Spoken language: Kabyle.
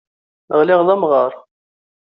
Ɣliɣ d amɣar.